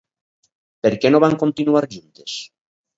Per què no van continuar juntes?